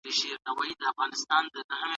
زده کوونکی ازموینې ته ښه تیاری نیسي.